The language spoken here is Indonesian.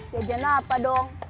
ya jenah apa dong